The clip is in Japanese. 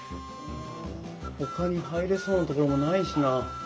ほかに入れそうな所もないしな。